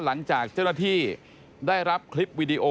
หลังจากเจ้าหน้าที่ได้รับคลิปวีดีโอ